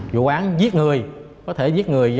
vụ án giết người có thể giết người do